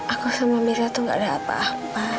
aku sama mira tuh gak ada apa apa